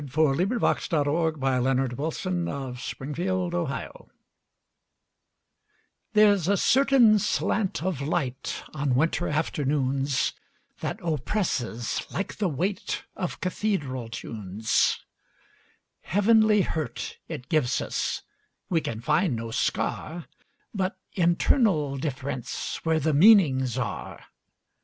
Complete Poems. 1924. Part Two: Nature LXXXII THERE'S a certain slant of light, On winter afternoons, That oppresses, like the weightOf cathedral tunes. Heavenly hurt it gives us; We can find no scar, But internal differenceWhere the meanings are.